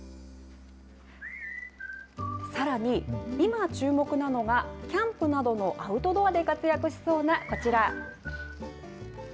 さらに、今注目なのが、キャンプなどのアウトドアで活躍しそうなこちら。